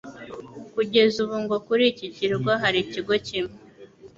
Kugeza ubu ngo kuri iki kirwa hari ikigo kimwe